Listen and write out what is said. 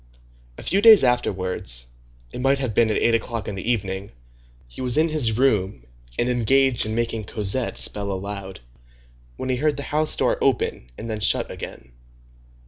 A few days afterwards,—it might have been at eight o'clock in the evening,—he was in his room, and engaged in making Cosette spell aloud, when he heard the house door open and then shut again.